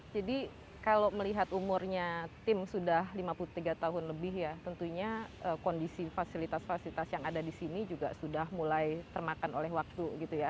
jadi kalau melihat umurnya tim sudah lima puluh tiga tahun lebih ya tentunya kondisi fasilitas fasilitas yang ada di sini juga sudah mulai termakan oleh waktu